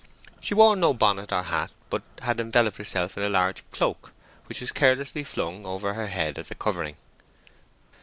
She wore no bonnet or hat, but had enveloped herself in a large cloak, which was carelessly flung over her head as a covering.